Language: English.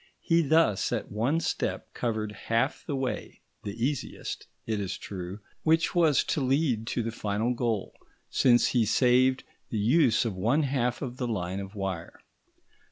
He thus at one step covered half the way, the easiest, it is true, which was to lead to the final goal, since he saved the use of one half of the line of wire.